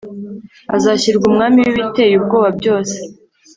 azashyirwa umwami w ibiteye ubwoba byose